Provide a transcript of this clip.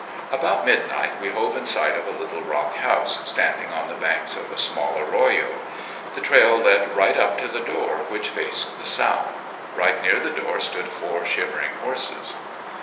About midnight we hove in sight of a little rock house standing on the banks of a small arroyo. The trail led right up to the door which faced the south. Right near the door stood four shivering horses.